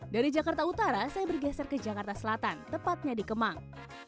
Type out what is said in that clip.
dari jakarta utara saya bergeser ke jakarta selatan tepatnya di kemang